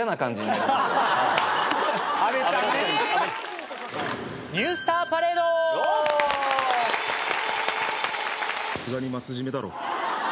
さすがに末締めだろ。